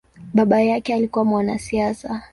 Baba yake alikua mwanasiasa.